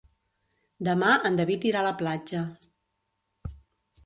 Demà en David irà a la platja.